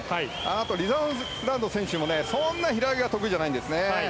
あと、リザーランド選手もそんなに平泳ぎが得意じゃないんですね。